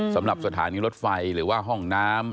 สำหรับสถานีรถไฟหรือว่าห้องน้ำ